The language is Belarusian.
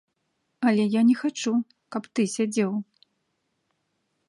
Але я не хачу, каб ты сядзеў.